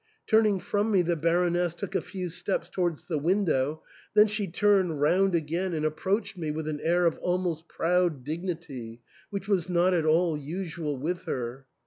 Turning from me, the Baroness took a few steps towards the window, then she turned round again and approached me with an air of almost proud dignity, which was not at all usual with her.